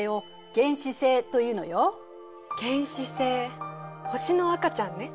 原始星星の赤ちゃんね。